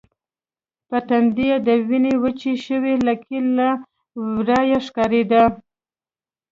پر تندي يې د وینې وچې شوې لکې له ورایه ښکارېدې.